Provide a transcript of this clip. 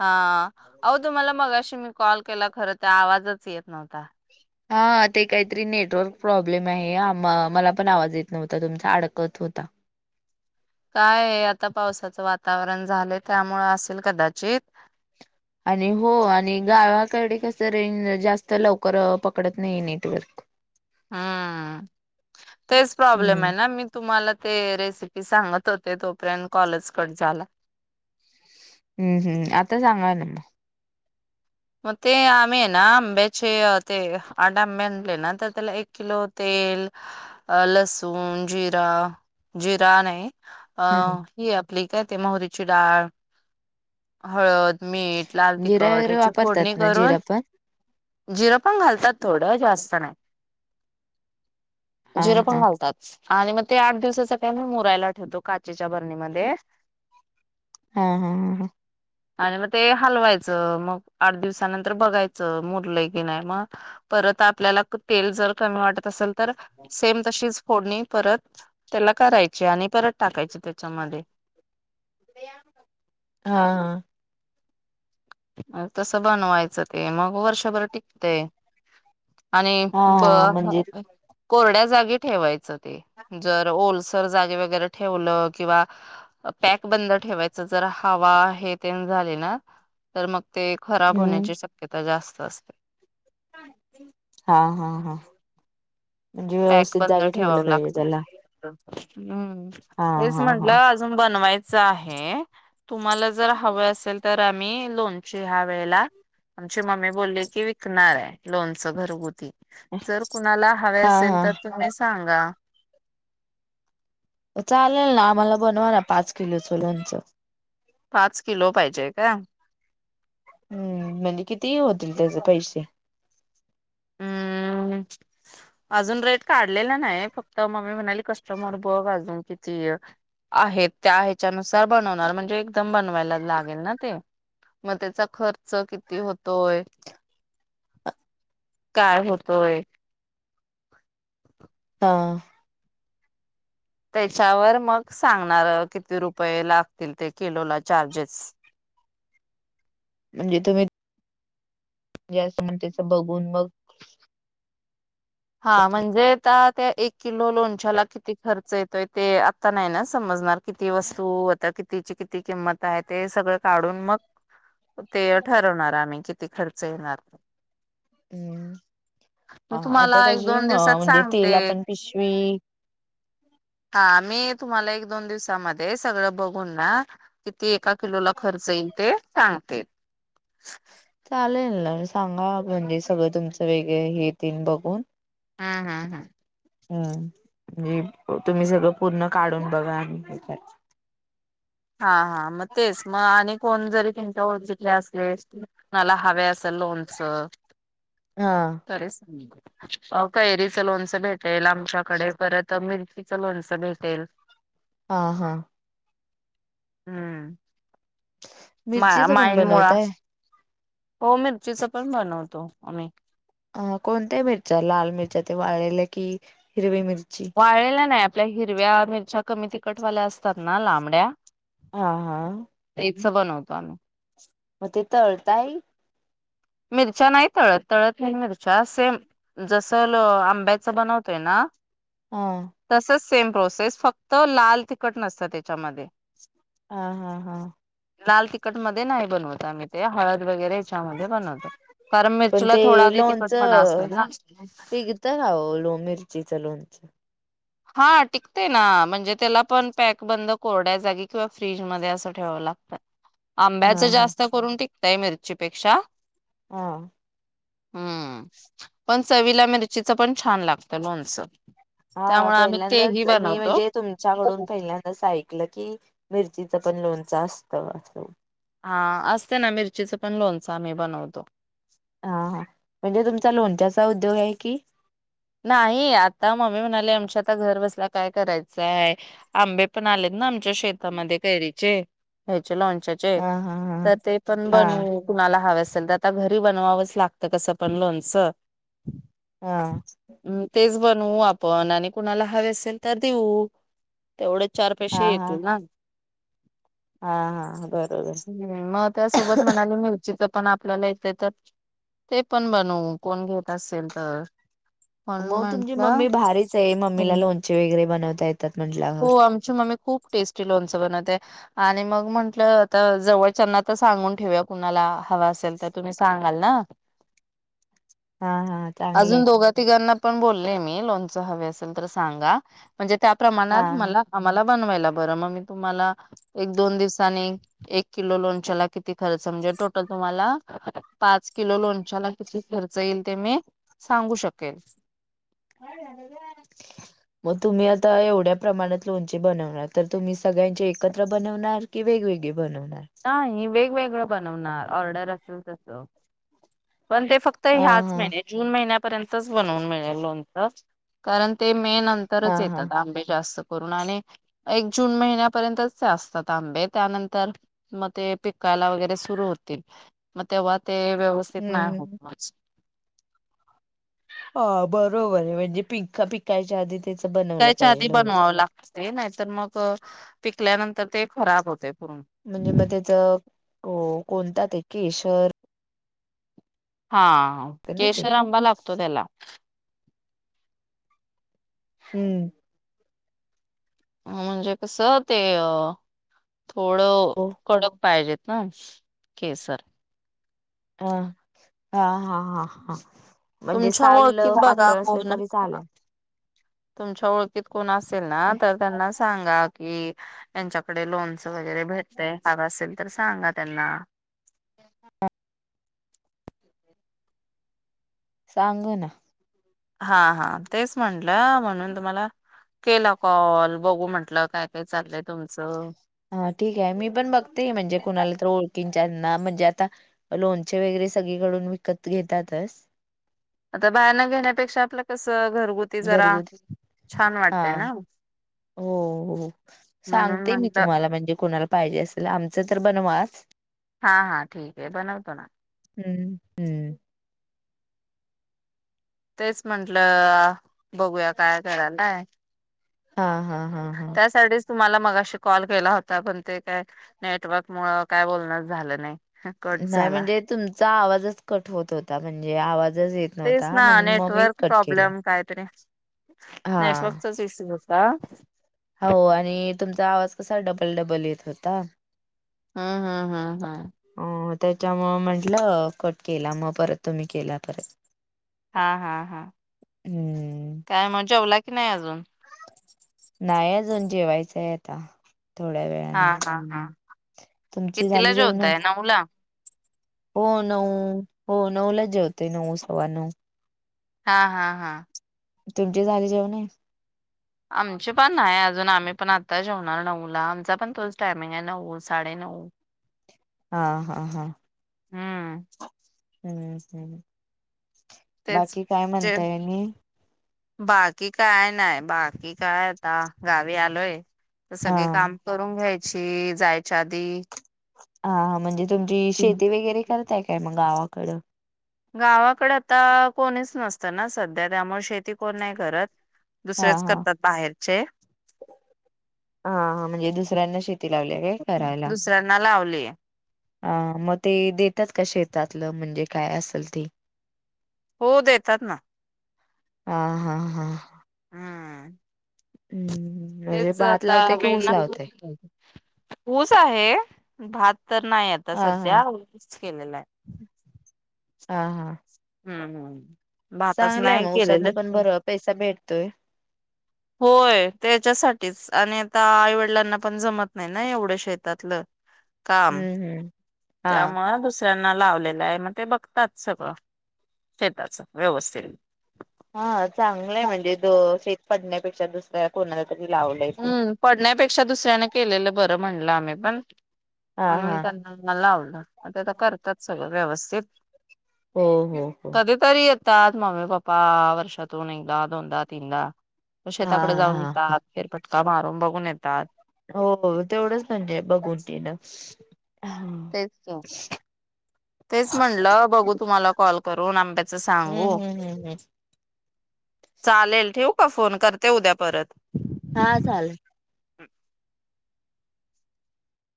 हां अहो, तुम्हाला मगाशी मी कॉल केला खर तर आवाजच येत नव्हता. हां ते काहीतरी नेटवर्क प्रॉब्लेम आहे, आ म मला पण आवाज येत नव्हता तुमचा अडकत होता. काय, आता पावसाचं वातावरण झालंय त्यामुळं असेल कदाचित. आणि हो! आणि गावाकडे कसं रेंज जास्त लवकर अ पकडत नाही नेटवर्क. हं तेच, प्रॉब्लेम हम्म आहे ना मी तुम्हाला ते रेसिपी सांगत होते तोपर्यंत कॉलच कट झाला हुं हुं आता [unintelligible] मग, ते आम्ही आहे ना आंब्याचे ते आठ आंबे आणले ना तर त्याला एक किलो तेल लसूण जिरा जिरा नाही. अ हम्म यप ते काय, ते मोहरीची डाळ हळद मीठ, लाल जिरा तिखट, वगैरे ह्याची फोडणी वापरतात ना करून जिरा पण जिरं पण घालतात? थोड जास्त नाही हा जिरं, हा पण घालतात. आणि म ते आठ दिवसाठी आम्ही मुरायला ठेवतो काच च्याच्या बरणीमध्ये हा हा हा आणि म ते हलवायचं मग आठ दिवसानंतर बघायचं मुरलंय की नाय म परत आपल्याला तेल जर कमी वाटत असल तर सेम तशीच फोडणी परत त्याला करायचे आणि परत टाकायच हा हा म तसं बनवायचं ते मग वर्षभर टिकतय आणि ब हा म्हणजे कोरड्या जा ते ठेवायचं ते जर ओलसर जागी वैगरे ठेवल किंवा पॅकबंद ठेवायच जर हवा हे तेन झाली ना तर मग ते खराब हम्म होण्याची शक्यता जास् रिकामा ऑडिओ [inaudible] हा हा हा म्हणजे पॅक व्यवस्थित जागी ठेवलं पाहिजे त्याला [inaudible] हूं हा तेच हा हा म्हंटलं अजून बनवाय चाहे तुम्हाला जर हवे असेल तर त आम्ही लोणची हयावेळेला ची मम्मी बोलली की विकणारये लोणचं घरगुती जर कुणाला हवे हा असेल हा क तुम्ही सांग का म चालेल ना आम्हाला बनवा ना पाच किलोचं लोणचं पाच किलो पाहिजे काय? हूं म्हणजे कित ती होतील त्याज पैसे हम्म. अजून रेट काढलेला नाये फक्त मम्मी म्हणाली कस्टमर बघ अजून किती आहेत त्या ह्याच्यानुसार बनवणार म्हणजे एकदम बनवायला लागेल ना ते मग त्याचा खर्च किती होतोय काय होतोय ता त्याच्यावर मग सांगणार अ किती रुपये लागतील ते किलोला चार्जेस म्हणजे तुम्ही जे असं म्हणतेच बघून मग हा म्हणजे त्यात त्या एक किलो लोणच्याला किती खर्च येतोय ते आत्ता नाही ना समजणार? किती वस्तू आता कित तिची किती किंमत आहे ते सगळं काढून मग ते ठरवणार आम्ही कित ती खर्च येणार हम्म [unintelligible] मी तुम्हाला एक [unintelligible] दोन दिवसात म्हणजे तिला सांगते. पण पिशवी हा मी तुम्हाला एक दोन दिवसामध्ये सगळं बघून ना, किती एका किलोला खर्च येईल ते सांगते. चालेल ना, सांगा म्हणजे सगळं तुमचं वेगळं हे तेन बघून. हा हा हा! हम्म! तुम्ही सगळं पूर्ण काढून बघा आणि हे हा हा! मग तेच मग आणि कोण जरी तुमच्या ओळखीतले असले असतील कोणाला हवे असंल लोणचं हा खरेच सा अहो कैरीचं लोणचं भेटेल, आमच्याकडे परत मिर्चीच लोणचं भेटेल. हा हा! हम्म! मा मिरचीच पण माईन मुळा बनवताय हो मिरचीचं पण बनवतो आम्ही. आ कोणत्या मिरच्या? लाल मिरच्या ते वाळलेल्या की हिरवी मिर वाळेलेल्या नाहीत. त्या हिरव्या मिरच्या कमी तिखटवाल्या असतात ना लांबड्या हा हा! मिक्स बनवतो आम्ही. मग ते तळताय? मिरच्या नाही तळत-तळत नाही मिरच्या सेम जसं ल आंब्याच बनवतोय ना? हा! तसच सेम प्रोसेस फक्त लाल, तिखट नसतं त्याच्यामध्ये. हा हा हा! लाल, तिखट मध्ये नाही बनवत आम्ही ते. हळद वगैरे च्यामध्ये बनव पण ते लोणचं ना पिकतं का ओ? लोम मिरचीचं लोण अच्छा. हा टिकतंय ना, म्हणजे त्याला पण पॅक बंद, कोरड्या जागी किंवा फ्रीजमध्ये असं ठेवाव लागतं. हा आंब्याचं हा. जास्त करून टिक त्या मिरचीपेक्षा हा हम्म पण चवीला मिरचीचं पण छान लागत लोणचं हा त्यामुळे आम्ही तेही पहिल्यांदाच मी बनवतो. म्हणजे तुमच्याकडून पहिल्यांदाच ऐकलं की मिरचीचं पण लोणचं असतं असतं हा असते ना मिरचीचं पण लोणचं आम्ही बनवतो. हा हा म्हणजे तुमचा लोणच्याचा उद्योग आहे कि नाही आता मम्मी म्हणाले आमच्या आता घर बसल्या काय करायचं आहे आंबे पण आलेत ना आमच्या शेतामध्ये कैरीचे लोणच्याचे हा हा तर ते पण हा हा. बनवू कुणाला हवे अस तर आता घरी बनवावंच लागत कसं पण लोणचं हा तेच बनवू आपण आणि कुणाला हवे असेल तर देऊ तेवढं चार हा पैशे हा येतील ना? हा हा बरोबर. हम्म मग त्या सोबत म्हणालो मिरचीचं पण आपल्याला इथे तर ते पण बनवू कोण घेत असेल तर म्हणून मग तुमची म्हंटलं मम्मी भारीच आहे मम्मीला हम्म. लोणचे वगैरे बनवता ये हो आमची मम्मी खूप टेस्टी लोण लोणच बनवते आणि मग म्हंटलं आता जवळच्याना तर सांगून ठेवूया कुणाला हव असेल तर तुम्ही सांगाल ना? हा हा चांगलंय अजून दोघा तिघांना पण बोलले मी लोनच हवे असेल तर सांगा म्हणजे त्या प्रमाणात मला हा. आम्हाला बनवायला बरं मग मी तुम्हाला एक दोन दिवसानी एक किलो लोनच्याला किती खर्च म्हणजे टोटल तुम्हाला पाच किलो लोणच्याला किती खर्च येईल ते मी सांगू शकेल. मग तुम्ही आता एवढ्या प्रमाणात लोणचे बनवणार तर तुम्ही सगळ्यांचे एकत्र बनवणार कि वेग वेगळे? नाही वेगवेग बनवणार ऑर्डर असेल तसं पण ते फक्त हा ह्याच हा महिन्यात जून महिन्यात पर्यंतच बनवून मिळेल लोणचं कारण ते मे हा नंतरच हा येतात आंबे जास्त एक जून महिन्यापर्यंत असतात आंबे त्यानंतर म ते पिकायला वगैरे सुरू होतील मग तेव्हा ते व्यवस्थित नाही होत हम्म मग हा बरोबर आहे म्हणजे पिक पिकायच्या आधी त्याच बनवलं विकायच्या पाहिजे आधी लोणचं बनवावं लागत ते नाय तर मग पिकल्यानंतर ते खराब होतेत. म्हणजे मग तेच को कोणता ते केशर हा असतं ना ते केशर आंबा लागतो त्याला हूं म्हणजे कस ते अ थोडं हो कडक पाहिजेत हं केसर ह हा हा हा हा म्हणजे तुमच्या साल ओळखीत बघा पातळ असल कोण तर चालेल तुमच्या ओळखीत कोण असेल ना तर त्यांना सांगा की [unintelligible] कडे लोणचं वगैरे भेटतयं हवं असेल तर सांगा त्यांना रिकामा ऑडिओ [inaudible] सांग ना हा हा तेच म्हंटल म्हणून तुम्हाला केला कॉल बघू म्हंटल काय काय चाललंय तुमचं हा ठीक आहे मी पण बघते म्हणजे कुणाला तर ओळखीच्यांना म्हणजे आत ता लोणचे वगैरे सगळीकडून विकत घेतातस आता बाहेर न घेण्यापेक्षा आपलं कस घरगुत हा वाटतय ना हो हो म्हणून सांगते मी म्हंटलं तुम्हाला म्हणजे कोणाला पाहिजे असेल आम ते तर बनवाच हा हा ठीकये बनवतो ना हूं हूं तेच म्हंटलं बघूया काय करायलाय. हा हा हा हा त्यासाठीच तुम्हाला मगाशी कॉल केला होता पण ते काय नेटवर्क मुळ काय बोलणच झालं नाय हा कट झाला चा आवाजच कट होत होता म्हणजे आवाज तेच ना नेटवर्क केला प्रॉब्लेम कायतरी हा नेटवर्कचाच इशू अ का [unintelligible] हो आणि तुमचा आवाज कसा डबल डबल येत होता. ह ह ह ह.... अ त्याच्यामुळ म्हंटलं कट केला म परत तुम्ही केला तर हा हा हा हम्म काय म जेवला? की नाही अजून नाही अजून जेवायचंय आता थोड्या हा वेळाने हा हा तुमची कितीला झाली जेवण जेवताय? नऊला हो नऊ हो नऊलाच जेवते नऊ सव्वा नऊ हा हा हा तुमची झाली जेवणे??? आमची पण नाही अजून आम्ही पण आता जेवणार नऊला आमचा पण तोच टायमिंग आहे नऊ साडे नऊ हा हा हा हम्म हम्म हम्म तेच बाकी काय जे म्हणताय अनी??? बाकी काय नाय बाकी काय आता गावी आलोय. हा सगळे काम करून घ्याय.... चे जायच्या आधी हा हा म्हणजे तुमची शेती वगैरे करताय काय मग? गावाकड गावाकडे आता कोणीच नसतं ना सध्या त्यामुळे शेती कोण नाही करत. हा दुसरेच हा करतात बाहेर चे हा म्हणजे दुसऱ्यांना शे दुसऱ्यांना लावलेय हा म ते देतात का शेतातलं म्हणजे काय असेल ते हो देतात ना हा हा हा हम्म हम्म म्हणजे तेच भात आता लावतय की वेळ ऊस लावतय लागतो ऊस आहे, भात तर नाय आता हा हा सध्या केलेलाय हा हा हम्म हम्म भातच चांगलंय नाही मग उसातनं पण केलेलं. बर पैसा भेट तोय होय त्याच्यासाठीच आणि आता आईवडिलांना पण जमत नाही ना एवढं शेतातलं काम हम्म हम्म हा त्यामुळे दुसऱ्यानां लावलेलाय मग ते बघतात सगळं शेताच व्यवस्थित हा चांगलंय म्हणजे जो शेत पडण्या तुमच्या दुसऱ्या कोणा हं पडण्यापेक्षा दुसऱ्याने केलेलं बरं म्हणलं आम्ही पण हा म्हणून हा त्यांना म लावलं आता ते करत्यात सगळं व्यवस्थित हो हो हो त आत मम्मी पप्पा वर्षातून एकदा दोनदा तीनदा हा शेताकडे जाऊन हा येतात पटका मारून बघून येतात हो हो तेवढंच म्हणजे बघून तिन तेच की तेच म्हटलं बघू तुम्हाला कॉल करून आम त्याच सांगू हम्म हम्म हम्म चालेल ठेवू का फोन करते उद्या परत हा चालेल